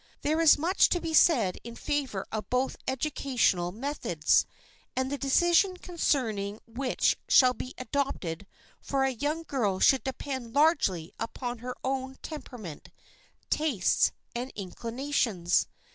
There is much to be said in favor of both educational methods, and the decision concerning which shall be adopted for a young girl should depend largely upon her own temperament, tastes and inclinations.